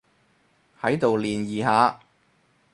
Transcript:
喺度聯誼下